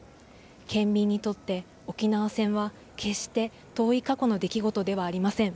県民にとって、沖縄戦は決して遠い過去の出来事ではありません。